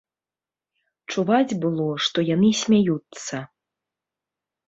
Чуваць было, што яны смяюцца.